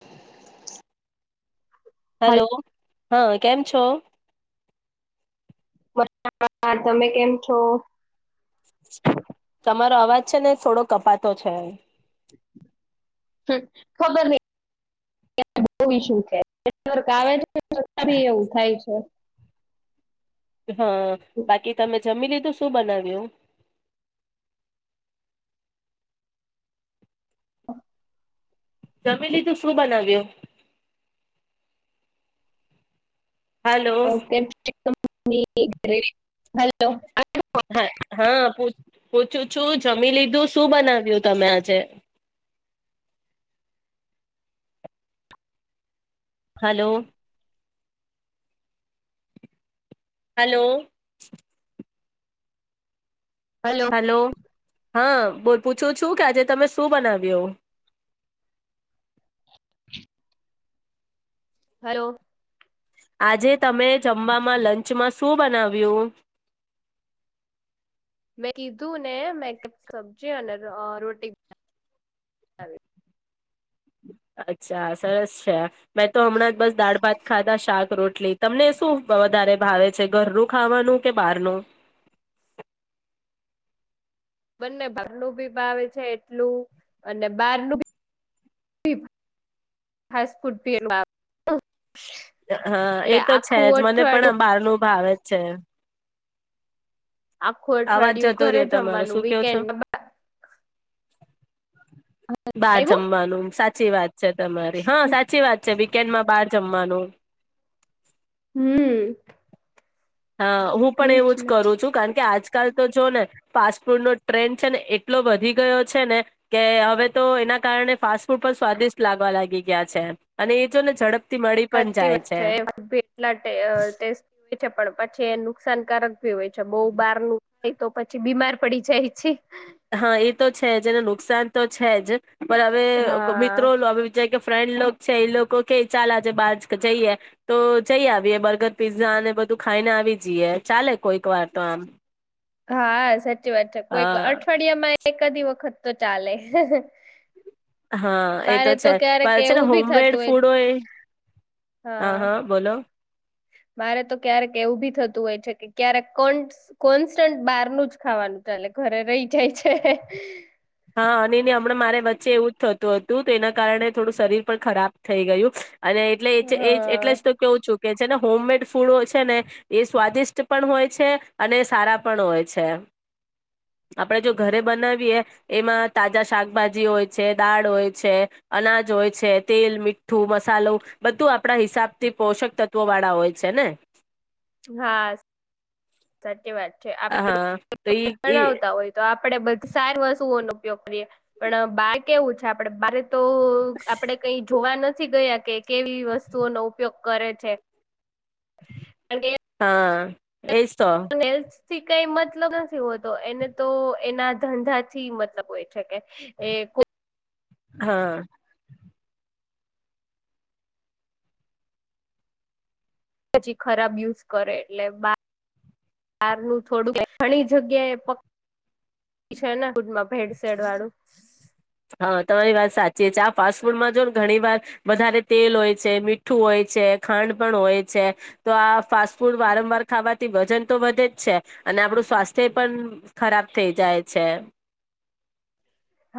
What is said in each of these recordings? [unintelligible] [unintelligible] Hello. હા, કેમ છો? હાલો તમે કેમ છો? તમારો અવાજ છે ને થોડો કપાતો છે. ખબર નહીં શું છે આવે. [unintelligible] છતા બી એવું થાય છે. હા, બાકી તમે જમી લીધું. તો શું બનાવ્યું? જમી લીધું શું બનાવ્યો? હાલો ઓકે. હ [unintelligible] હા હા, પૂછું છું. જમી લીધું? શું બનાવ્યું તમે આજે? Hello. Hello. Hello hello hello હા બોલ પૂછું છું ક્યાં તમે શું બનાવ્યો હલો. આજે તમે જમવામાં લંચમાં શું બનાવ્યું. મેં કીધું ને મેં એક સબ્જી અને રોટી બનાવી. અચ્છા સરસ છે મેં તો હમણાં જ બસ દાળ ભાત ખાધા શાક રોટલી તમને શું વધારે ભાવે છે ઘરનું ખાવાનું કે બહારનું. બંને બારનું ભી ભાવ છે એટલું અને બારનું ફાસ ફૂડ પી આવે. હા એ તો છે જ મને અઠવાડિયું પણ બહાર ન ભાવે છે. આખું અવાજ અઠવાડિયું જતો ઘરે રહ્યો તમારો જમવાનું શું કેવો છો વીકેન્ડ બાર જમવાનું સાચી વાત છે તમારી હા સાચી વાત છે વીકેન્ડમાં બાર જમવાનું. હમ. હા હું પણ એજ એવું જ ને કરું છું કારણ કે આજ આજકાલ તો જો ને ફાસ્ટ ફૂડ નો ટ્રેન્ડ છે ને એટલો વધી ગયો છે ને કે હવે તો એના કારણે ફાસ્ટ ફૂડ પણ સ્વાદિષ્ટ લાગવા લાગી ગયા છે અને એ જો ને ઝડપ સાચી વાત છે ટલાટે છે પણ પછી નુકસાનકારક હોય છે બહુ બાર નું તો પછી બીમાર પડી જાય છે. હા એ તો છે જ એને નુકસાન તો છે જ. પણ હવે મિત્રો હા. આવી વિચાર ફ્રેન્ડ લો છે એ લોકો કે ચાલ આજે બાર જઈએ તો જઈ આવીએ બર્ગર પીઝા અને બધું ખાઈને આવી જઈએ ચાલે કોઈક વાર તો આમ. હા સચી વાત છે અ કોઈ કોઈ અઠવાડયમાં કદી વખત તો ચાલે. હા એ તો મારે છે ક્યારેક પણ છે ને એવું હોમ ભી મેડ થતું ફૂડ હોય હા હા બોલો. મારે તો ક્યારેક એવું ભી થતું હોય છે કે ક્યારેક કો કોન્સ્ટન્ટ બહારનું જ ખાવાનું ચાલે ઘરે રહી જાય છે. હા અને એને હમણાં મારે વચ્ચે એવું જ થતું હતું તો એના કારણે થોડું શરીર પણ ખરાબ થઈ ગયું. અને એટલે એ હા એટલે તો કેવું છું. કે છે ને હોમમેડ ફૂડો છે ને એ સ્વાદિષ્ટ પણ હોય છે અને સારા પણ હોય છે આપણેે જો ઘરે બનાવીએ એમાં તાજા શાકભાજી હોય છે દાળ હોય છે અનાજ હોય છે તેલ મીઠું મસાલો બધું આપણા હિસાબ થી પોષક તત્વો વાળા હોય છે ને. હા. સાચી વાત હા તો ઈ ઈ આપતા હોય તો. આપે બધી સારી વસ્તુઓનો ઉપયોગ કરીએ પણ બાર કેવું છે આપડે બ તો આપડે કઈ જોવા નથી નથી ગયા કે કેવી વસ્તુઓનો ઉપયોગ કરે છે. કારણ હા. એજ તો. થી કઈ મતલબ નથી હોતો એને તો એના ધંધાથી મતલબ હોય છે કે એ કો હા. પછી ખરાબ યુઝ કરે એટલે બ બારનું થોડું ઘણી જગ્યા એ છે ફૂમાં ભેડસેેડ વાળું. હા તમારી વાત સાચી છે આ ફાસ્ટ ફૂડમાં જો ઘણી વાર વધારે તેલ હોય છે મીઠું હોય છે ખાંડ પણ હોય છે તો આ ફાસ્ટ ફૂડ વારંવાર ખાવાથી વજન તો વધે જ છે અને આપણું સ્વાસ્થ્ય પણ ખરાબ થઈ જાય છે.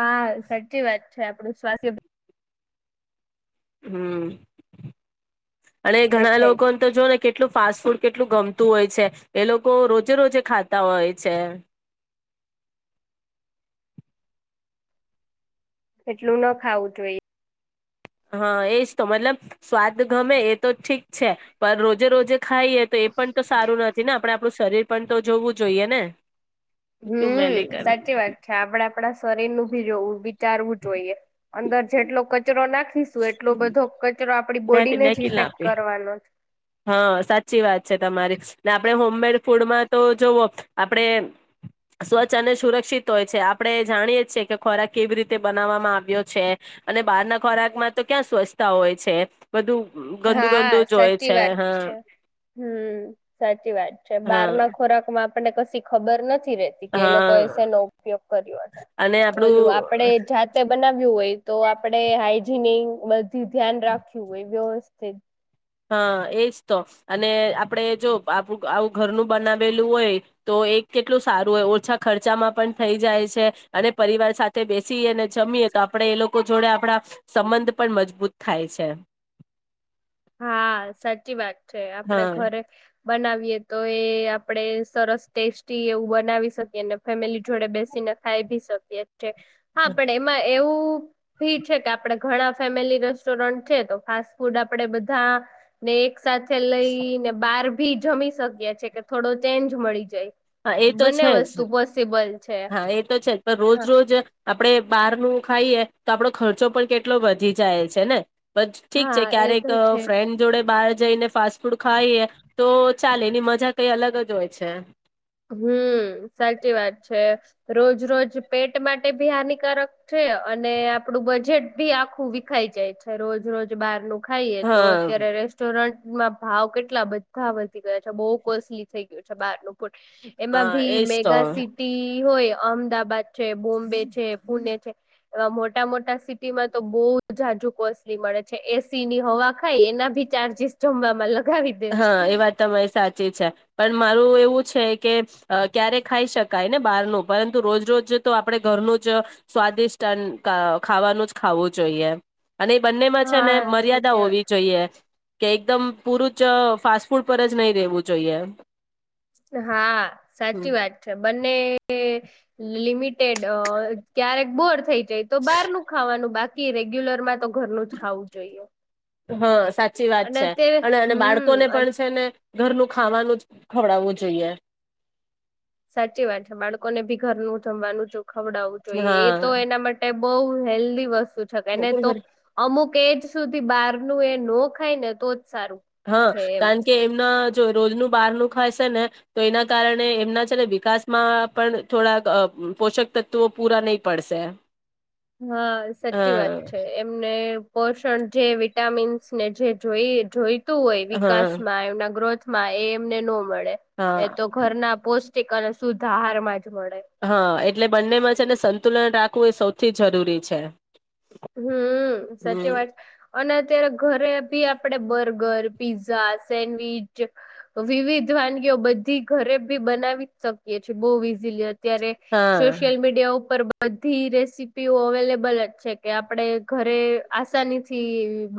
હા સાચી વાત છે આપણું સ્વાસ્થ્ય. હમ. અને ઘણા દેખાય લોકોને તો જો ને કે કેલું ફાસ્ટ ફૂડ કેટલું ગમતું હોય છે એ લોકો રોજે રોજે ખાતા હોય છે. એટલું ન ખાવું જોઈએ. હા એજ તો મતલબ સ્વાદ ગમે એ તો ઠીક છે પણ રોજે રોજે. ખાઈએ તો એ પણ તો સારું નથી ને આપડ આપણું શરીર પણ તો જોવું જોઈએ ને ક્યું મેલી હમ કર સાચી વાત છે આપડા આપણા સરેરનું ભી જોવું વિચારવું જોઈએ અંદર. જેટલો. કચરો નાખીશું એટલો બધો કચરો. આપડી મેં બોડીને જ કિલ ઇફેક્ટ આપી કરવાનો છે. હા સાચી વાત છે તમારી ને આપણે હોમમેડ ફૂડમાં તો જોવો આપડે સ્વચ્છ અને સુરક્ષિત હોય છે આપણે જાણીએ છીએ કે ખોરાક કેવી રીતે બનાવવામાં આવ્યો છે અને બહાર ના ખોરાકમાં તો ક્યાં સ્વચ્છતા હોય છે બધું ગંદુ ગંદુ હા જોય. સાચી વાત છે હમ સાચી વાત છે હા બાર ના ખોરાકમાં આપને કી ખબર નથી. કે એ લોકો હા એનો ઉપયોગ કર્યો અને ઓલું આપડે આપડું જાતે બનાવ્યું હોય. તો આપડે હાઈજીન બધું ધ્યાન રાખ્યું હોય વસ્ છે. હા એજ તો અને આપણે જો આપું આવું ઘરનું બનાવેલું હોય તો એ કેટલું સારું હોય ઓછા ખર્ચામાં પણ થઈ જાય છે અને પરિવાર સાથે બેસીએ અને જમીએ તો આપણે એ લોકો જોડે આપણા સંબંધ પણ મજબૂત થાય છે. હા સાચી વાત. છે આપડ હા ઘરે બનાવીએ તો એ આપડે સરસ ટેસ્ટી એવું બનાવી શકીએ ફેમિલી જોડે બેસીને ખાઈ ભી શકીએ છે હા પણ એમાં એવું. [unintelligible] ભી છે કે આપડે ઘણા ફેમિલી રેસ્ટોરન્ટ છે તો ફાસ્ટ ફૂડ આ પડે બધા ને સાથે લઈ ને બાર ભી જમી શકીએ છે કે થોડો ચેન્જ મળી જાય. હા, એતો બંને છેજ. વસ્તુ પોસિબલ છે હા, એતો છેજ પણ રોજ હા રોજ આપડે બારનું ખાઈએ તો આપડો ખર્ચો પણ કેટલો વધી જાય છેને. બસ ઠીક છે હા એ ક્યારેક તો અ છે ફ્રેન્ડ જોડે બાર જઈને ફાસ્ટ ફૂડ ખાઈએ તો ચાલે એની મજા કઈ અલગ જ હોય છે. હમ્મ, સાચી વાત છે, રોજ રોજ પેટ માટે બી હાનિકારક છે અને આપડું બજેટ બી આખું વિખાઈ જાય છે રોજ રોજ બારનું ખાઈએ તો હા અત્યારે રેસ્ટોરન્ટ માં ભાવ કેટલા બધાં વધી ગયા છે બો કોસ્ટલી થઈ ગયું છે બારનું. હા એમાંબી એજ તો મેગા સિટી હોય અમદાવાદ છે, બોમ્બે છે, પૂણે છે એવા મોટા મોટા સિટીમાં તો બો જાજુ કોસ્ટલી મળે છે. એસીની હવા ખાય એના બી ચાર્જિસ જમવામાં લ હા, એ વાત તમારી સાચી છે. પણ મારું એવું છે કે અ ક્યારે ખાઈ શકાયને બારનું પરંતુ રોજ રોજ તો આપડે ઘરનું જ સ્વાદિષ્ટ ખાવાનું જ ખાવું જોઈએ. અને બંનેમાં છેને હા મર્યાદા સાચી વાત હોવી જોઈએ. કે એકદમ પૂરું જ ફાસ્ટ ફૂડ પર જ નય રહેેવું જોઈએ. હા, સાચી વાત છે. બંને લિમિટેડ અ ક્યારેક બોર થઈ જય તો બારનું ખાવાનું બા કી રેગ્યુલરમાં તો ઘરનું જ ખાવું જોઈએ. હા, સાચ સાચી વાત અને છે, અત્યારે અને અને હમ બાળકોને અન પણ છેને ઘરનું ખાવાનું જ ખવડાવવું જોઈએ. સાચી વાત છે, બાળકોને બી ઘરનું જમવાનું જો ખવડાવું જોઈએ હા એતો એના માટે બોઉ હેલ્દી વસ તુ કેને મોકલ તો ઘર અમુક એજ સુધી બારનું એ નો ખાયને તો સારું હા, છે એમ કારણ કે એમના જો રોજનું બારનું ખાશેને તો એના કારણે એમના છેને વિકાસમાં પણ થોડાક અ પોષક તત્વો પૂરા નય પડશે એમ. હા, સાચી વાત છે એમને પોષણ છે, વિટામીન્સને ને જોઈએ જોઈ હોય હા વિકાસમાં એમનાં ગ્રોથ એ એમને નો મળે. હા એતો ઘરનાં પોષ અને શુદ્ધ આહારમાં. જ મળે હા એટલે બંનેમાં છે ને સ તુલન રાખવું એ સવથી જરૂરી છે. હમ સાચી હમ વાત છે અને અત્યારે ઘરે બી આપડે બર્ગર પીઝઝા સેન્ડવીચ વિવિધ વાનગીઓ બધી ઘરે બી બનાવી જ શકીએ છીએ બહુ ઈઝીલી હતી. અત્યારે હા સોશિયલ મીડિયા ઉપર બધી રેસીપીઓ અવેલેબલ જ છે. કે આપડે ઘરે આસાની થી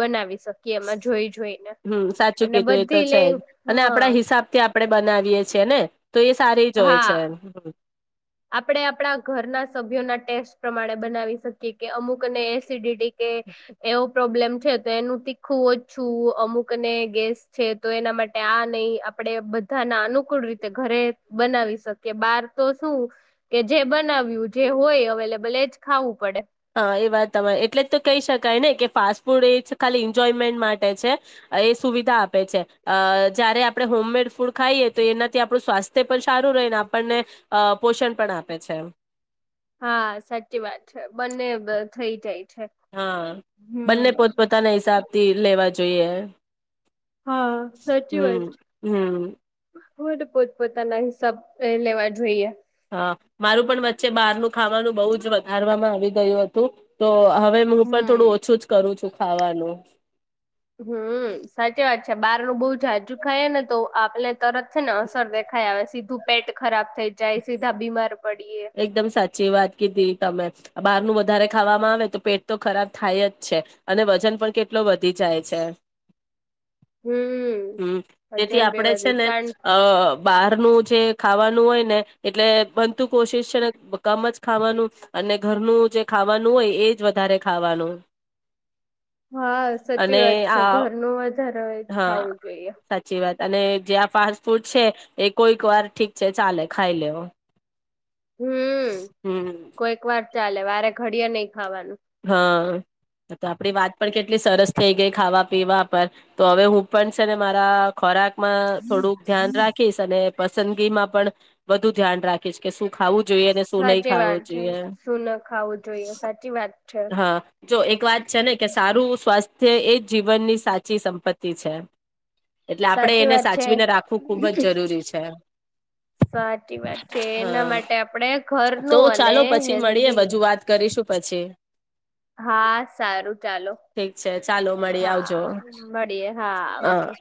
બનાવી શકીએ એમાં જોઈ જોઈને હમ સાચું અને કીધું એ તો બધી છે લે જ અને હા આપણા હિસાબ થી આપડણે બનાવીએ છિએ છે ને. તો એ સારી જ હોય છે. હા આપણે આપણા ઘરના સભ્યોના ટેસ્ટ પ્રમાણે બનાવી શકીએ કે અમુકને એસિડિટી કે એવો પ્રોબ્લેમ છે તો એનું તીખું ઓછું અમુકને ગેસ છે તો એના માટે આ નહી આપણે બધાના અનુકૂળ રીતે ઘરે બનાવી શકીએ બહાર તો શું? કે જે બનાવ્યું જે હોય અવેલેબલ એજ ખાવું પડે હા એ વાત તમારે એટલે જ તો કહી શકાય ને કે ફાસ્ટ ફૂડ એ ખાલી એન્જોયમેન્ટ માટે છે એ સુવિધા આપે છે જારે આપણે હોમમેડ ફૂડ ખાઈએ તો એનાથી આપણું સ્વાસ્થ્ય પણ સારું રહેને આપણને પોષણ પણ આપે છે હા સાચી વાત છે બંને બ થઈ જાય. છે હા બંને હમ પોતપોતાના હિસાબ થી લેવા જોઈએ. હા સાચી વાત હમ છે. હમ પૂર પોતપોતાના હિસાબ લેવા જોઈએ. હા મારું પણ વચ્ચે બહારનું ખાવાનું બહુ જ વધારવામાં આવી ગયું હતું તો હવે હું પણ હમ થોડું ઓછું જ કરું છું. ખાવાનું. હમ સાચી વાત છે બહાર ન બહુ જાાજુ ખાય ને તો આપને તરત છે ને અસર દેખાય આવે સીધું પેટ ખરાબ થઈ જાય સીધા બીમાર પડીએ એકદમ સાચી વાત કીધી તમે. બહારનું વધારે ખાવામાં આવે તો પેટ તો ખરાબ થાય જ છે અને વજન પણ કેટલો વધી જાય છે. હમ તેથી વજન બે આપડે છે વધી ને કારણ અ બાર જે ખાવાનું હોય ને એટલે બનતું. કોશિશ છે ને કામ જ ખાવાનું અને ઘરનું જે ખાવાનું હોય એ જ વધારે ખાવાનું હા સાચી અને વાત છે આ ઘરનું વધારે જ હા ખાવું જોઈએ. સાચી વાત અને જે આ ફાસ્ટ ફૂડ છે એ કોઈક વાર ઠીક છે ચાલે ખાઈ લેવ. હમ હમ કોઈક વાર. ચાલે વારે ઘડી નહી ખાવાનું હા. તો આપડી વાત પણ કેટલી સરસ થઈ ગઈ ખાવા પીવા પર તો હવે હું પણ છે ને મારા ખોરાક માં થોડુંક ધ્યાન રાખીશ અને પસંદગી માં પણ વધુ ધ્યાન રાખીશ કે શું ખાવું જોઈએ અને શું નહી સાચી ખાવું વાત જોઈએ શું ન ખાવું જોઈએ સાચી વાત છે હા. જો એક વાત છે ને કે સારું સ્વાસ્થ એજ જીવનની સાચી સંપત્તિ છે. એટલે આપડે સાચી એને વાત છે સાચવીને રાખવું ખુબ જ જરૂરી છે. સાચી વાત છે એના હા માટે આપણે તો ઘરનું અને ચાલો પછી મળીએ હેલ્ધી વજુ વાત કરીશું પછી હા સારું ચાલો ઠીક છે ચાલો મળી હા આવજો મળીએ હા હ આવજો.